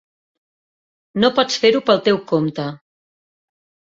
No pots fer-ho pel teu compte.